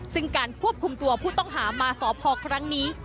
ซึ่งการควบคุมตัวผู้ต้องหามาสพครั้งนี้